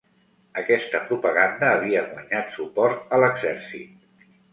Aquesta propaganda havia guanyat suport a l'exèrcit.